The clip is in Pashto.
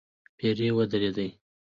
پيرې ودرېدې.